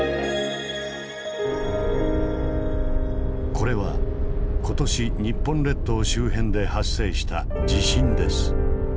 これは今年日本列島周辺で発生した地震です。